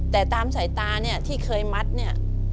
แต่ตามสายตาเนี่ยที่เคยมัดเนี่ย